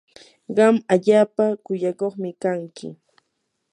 qam allaapa kuyakuqmi kanki.